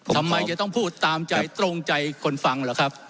ทำไมจะต้องพูดตามใจตรงใจคนฟังเหรอครับ